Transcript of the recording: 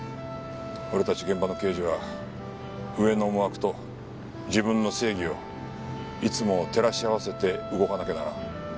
俺たち現場の刑事は上の思惑と自分の正義をいつも照らし合わせて動かなきゃならん。